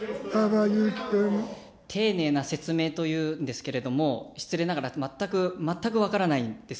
丁寧な説明というんですけれども、失礼ながら全く、全く分からないです。